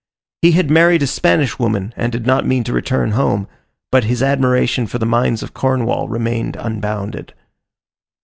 He had married a Spanish woman, and did not mean to return home; but his admiration for the mines of Cornwall remained unbounded.